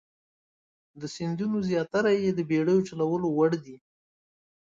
د سیندونو زیاتره یې د بیړیو چلولو وړ دي.